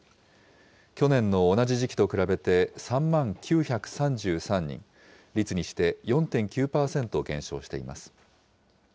去年の同じ時期と比べて、３万９３３人、率にして４．９％減少しています。